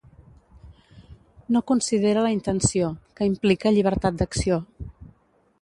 No considera la intenció, que implica llibertat d'acció.